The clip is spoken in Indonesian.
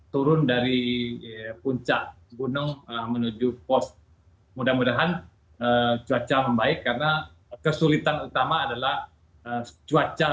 turun dari puncak gunung menuju pos mudah mudahan cuaca membaik karena kesulitan utama adalah cuaca